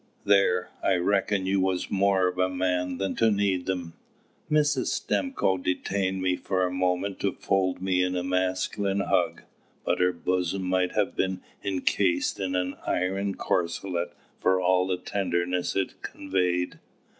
There, I reckoned you was more of a man than to need 'em!" Mrs. Stimcoe detained me for a moment to fold me in a masculine hug. But her bosom might have been encased in an iron corselet for all the tenderness it conveyed.